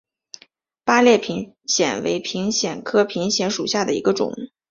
八列平藓为平藓科平藓属下的一个种。